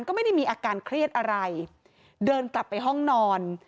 ก็ไม่ได้มีอาการเครียดอะไรเดินกลับไปห้องนอน